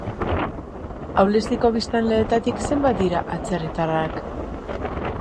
Aulestiko biztanleetatik zenbat dira atzerritarrak?